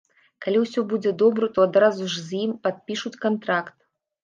Калі ўсё будзе добра, то адразу ж з ім падпішуць кантракт.